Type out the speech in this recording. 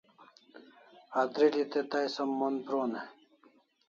Atril'i te tai som mon pron e?